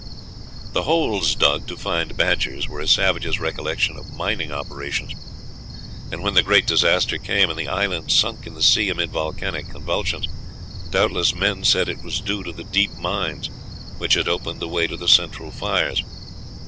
The holes dug to find badgers were a savage's recollection of mining operations; and when the great disaster came, and the island sunk in the sea amid volcanic convulsions, doubtless men said it was due to the deep mines, which had opened the way to the central fires.